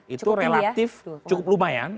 itu relatif cukup lumayan